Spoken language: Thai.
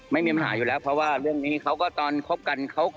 ไม่มีปัญหาอยู่แล้วเพราะว่า